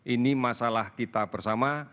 ini masalah kita bersama